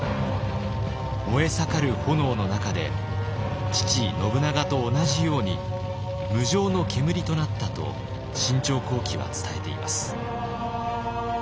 燃えさかる炎の中で父信長と同じように「無常の煙となった」と「信長公記」は伝えています。